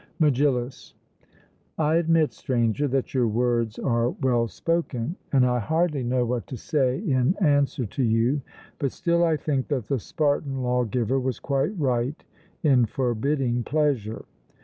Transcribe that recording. MEGILLUS: I admit, Stranger, that your words are well spoken, and I hardly know what to say in answer to you; but still I think that the Spartan lawgiver was quite right in forbidding pleasure.